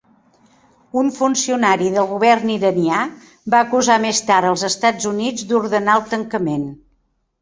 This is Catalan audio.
Un funcionari del govern iranià va acusar més tard als Estats Units d'ordenar el tancament.